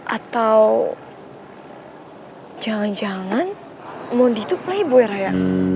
atau jangan jangan mondi tuh playboy raya